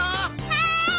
はい。